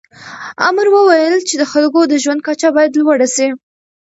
امر وویل چې د خلکو د ژوند کچه باید لوړه سي.